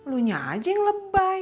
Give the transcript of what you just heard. lu nya aja yang lebay